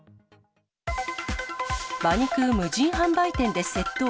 馬肉無人販売店で窃盗。